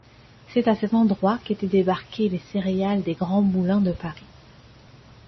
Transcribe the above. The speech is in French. C'est à cet endroit qu'étaient débarquées les céréales des Grands Moulins de Paris.